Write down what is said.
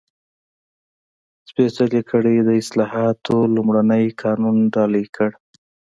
سپېڅلې کړۍ د اصلاحاتو لومړنی قانون ډالۍ کړ.